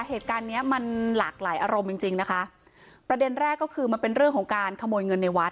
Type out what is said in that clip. เหตุการณ์เนี้ยมันหลากหลายอารมณ์จริงจริงนะคะประเด็นแรกก็คือมันเป็นเรื่องของการขโมยเงินในวัด